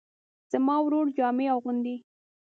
زما ورور جامې اغوندي